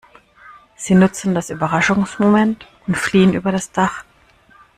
Sie nutzen das Überraschungsmoment und fliehen über das Dach.